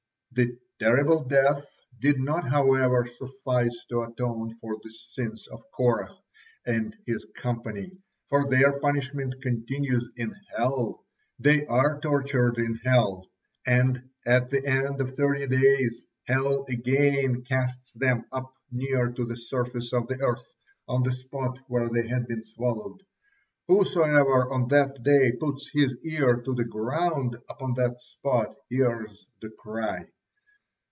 This terrible death did not, however, suffice to atone for the sins of Korah and his company, for their punishment continues in hell. They are tortured in hell, and at the end of thirty days, hell again casts them up near to the surface of the earth, on the spot where they had been swallowed. Whosoever on that day puts his ear to the ground upon that spot hears the cry.